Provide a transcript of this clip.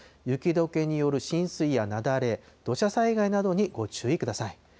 雪どけによる浸水や雪崩、土砂災害などにご注意ください。